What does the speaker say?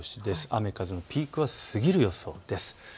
雨風のピークは過ぎる予想です。